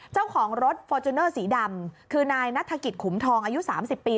เจ้าของรถฟอร์จูเนอร์สีดำคือนายนัฐกิจขุมทองอายุ๓๐ปี